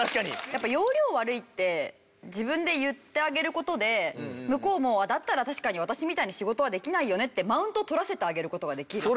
やっぱ要領悪いって自分で言ってあげる事で向こうも「だったら確かに私みたいに仕事はできないよね」ってマウントを取らせてあげる事ができる。